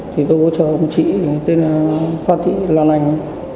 thì tôi có chờ một chị tên là phan thị lan anh